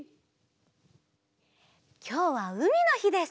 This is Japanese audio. きょうはうみのひです。